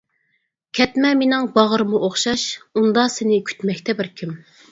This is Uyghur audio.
كەتمە مىنىڭ باغرىممۇ ئوخشاش، ئۇندا سىنى كۈتمەكتە بىر كىم.